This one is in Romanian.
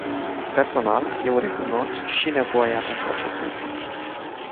Personal, eu recunosc și nevoia pentru acest lucru.